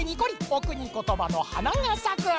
おくにことばのはながさく！